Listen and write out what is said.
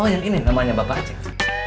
oh yang ini namanya bapak aceh